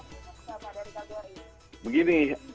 sudah banyak sekali orang indonesia yang mudik